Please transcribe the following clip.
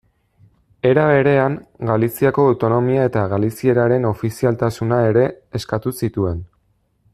Era berean, Galiziako autonomia eta galizieraren ofizialtasuna ere eskatu zituen.